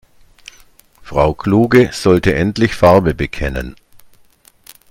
Frau Kluge sollte endlich Farbe bekennen.